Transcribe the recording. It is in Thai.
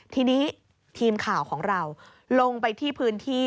ทีนี้ทีมข่าวของเราลงไปที่พื้นที่